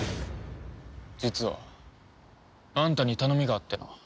実はあんたに頼みがあってな。